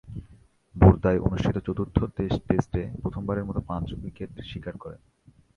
বোর্দায় অনুষ্ঠিত চতুর্থ টেস্টে প্রথমবারের মতো পাঁচ উইকেট শিকার করেন।